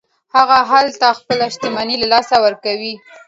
هغه هلته خپله شتمني له لاسه ورکوي.